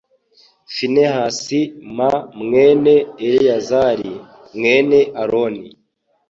finehasi m mwene eleyazari mwene aroni